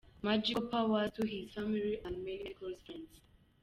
Magical powers to his family and many many close friends x.